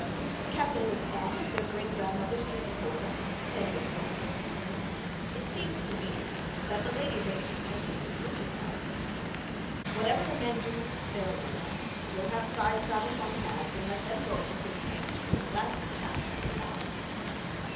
'Can't they look on, as their great grandmothers did before them?' said Miss Thorne. 'It seems to me that the ladies ain't contented with looking now a days. Whatever the men do they'll do. If you'll have side saddles on the nags, and let them go at the quintain too, it'll answer capital, no doubt.'